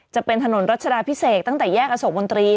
จะเป็นถนนรัชดาพิเศษตั้งแต่แยกอโศกมนตรี